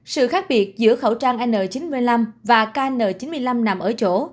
sự khác biệt giữa khẩu trang n chín mươi năm và kn chín mươi năm nằm ở chỗ